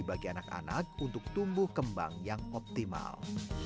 bagi anak anak untuk tumbuh kembang yang optimal